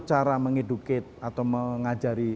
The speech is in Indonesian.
cara mengedukate atau mengajari